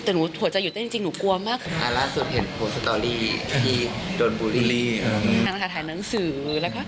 เดี๋ยวหนูหัวใจอยู่เต้นจริงหนูกลัวมาก